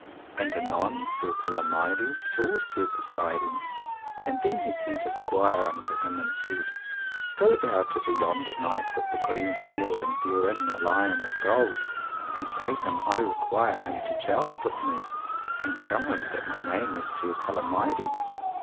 And anon Sir Palomides saw Sir Persides, and then he sent a squire unto him and said: Go thou to the yonder knight with the green shield and therein a lion of gold, and say him I require him to joust with me, and tell him that my name is Sir Palomides.